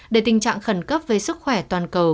để tình trạng khẩn cấp về sức khỏe toàn cầu